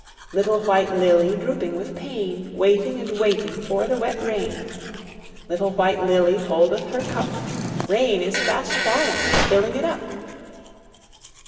Little White Lily Drooping with pain, Waiting and waiting For the wet rain. Little White Lily Holdeth her cup; Rain is fast falling And filling it up.